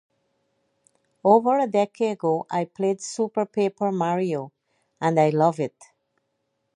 Over a decade ago, I played Super Paper Mario, and I loved it.